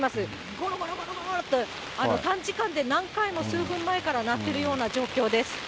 ごろごろごろっと、短時間で何回も、数分前から鳴ってるような状況です。